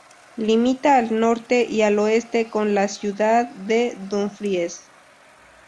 Limita al norte y al oeste con la ciudad de Dumfries.